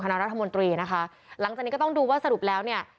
คณะรัฐมนตรีนะคะหลังจากนี้ก็ต้องดูว่าสรุปแล้วเนี่ย